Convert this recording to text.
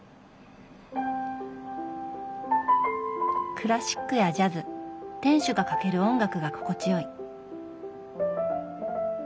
クラシックやジャズ店主がかける音楽が心地よい。